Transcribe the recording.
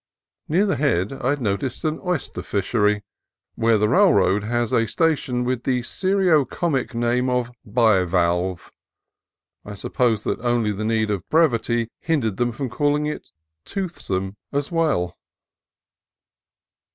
Near the head I noticed an oyster fishery, where the railroad has a station with the serio comic name of Bivalve. I suppose that only the need of brevity hindered them from calling it Toothsome, as 256 CALIFORNIA COAST TRAILS well.